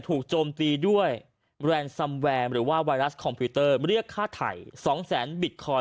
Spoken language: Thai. ถูกโจมตีด้วยหรือว่าคอมพิวเตอร์เรียกค่าไถ่สองแสนบิตคอยด์